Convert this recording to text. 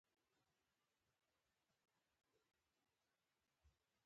ایا زما مټې به ښې شي؟